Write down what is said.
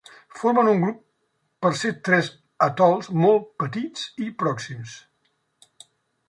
Formen un grup per ser tres atols molt petits i pròxims.